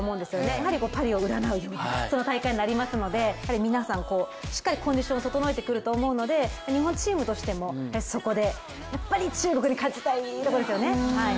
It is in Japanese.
やはりパリを占う大会になりますので、皆さん、しっかりコンディションを整えてくると思うので日本チームとしてもそこでやっぱり中国に勝ちたいところですよね。